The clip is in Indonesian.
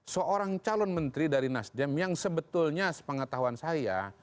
seorang calon menteri dari nasdem yang sebetulnya sepengetahuan saya